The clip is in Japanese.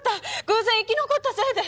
偶然生き残ったせいで！